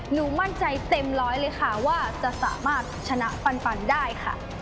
หนูมั่นใจเต็มร้อยเลยค่ะว่าจะสามารถชนะปันได้ค่ะ